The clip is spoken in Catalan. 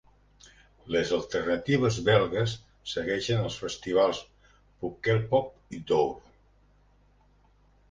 Les alternatives belgues segueixen als festivals Pukkelpop i Dour.